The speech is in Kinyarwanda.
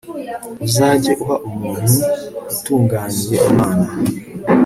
uzajye uha umuntu utunganira imana